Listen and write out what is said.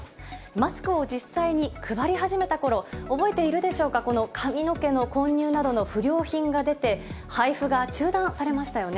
マスクを実際に配り始めたころ、覚えているでしょうか、この髪の毛の混入などの不良品が出て、配布が中断されましたよね。